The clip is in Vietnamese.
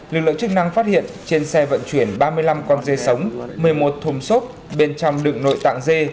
lực lượng chức năng phát hiện trên xe vận chuyển ba mươi năm con dê sống một mươi một thùng xốp bên trong đựng nội tạng dê